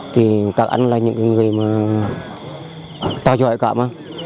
thì các anh là những người mà ta chưa hại cảm